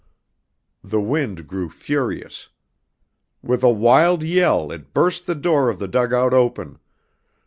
The wind grew furious. With a wild yell it burst the door of the dugout open.